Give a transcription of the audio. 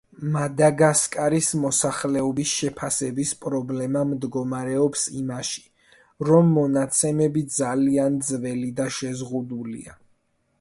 მადაგასკარის მოსახლეობის შეფასების პრობლემა მდგომარეობს იმაში, რომ მონაცემები ძალიან ძველი და შეზღუდულია.